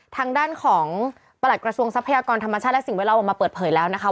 ทางด้านของประหลัดกระทรวงทรัพยากรธรรมชาติและสิ่งแวดล้อมออกมาเปิดเผยแล้วนะคะ